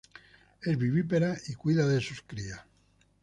Es vivípara y cuida de sus crías.